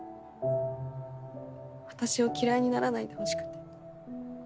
私を嫌いにならないでほしくて。